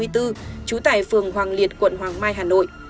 trú tại phường hoàng liệt quận hoàng mai hà nội